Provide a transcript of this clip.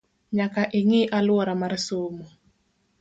Nyaka ing’i aluora mar somo